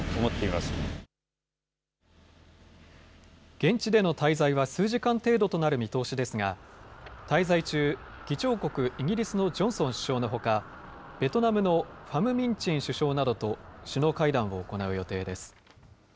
現地での滞在は数時間程度となる見通しですが、滞在中、議長国イギリスのジョンソン首相のほか、ベトナムのファムミンチン首相など、首脳会談を行う予定です。